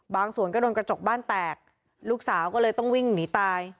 ส่วนก็โดนกระจกบ้านแตกลูกสาวก็เลยต้องวิ่งหนีตาย